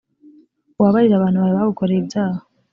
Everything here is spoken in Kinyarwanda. ubabarire abantu bawe bagukoreye ibyaha